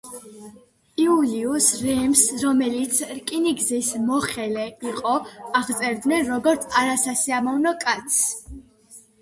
იულიუს რემს, რომელიც რკინიგზის მოხელე იყო, აღწერდნენ როგორც „არასასიამოვნო კაცს“.